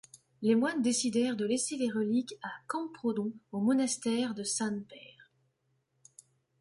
Les moines décidèrent de laisser les reliques à Camprodon, au monastère de Sant Père.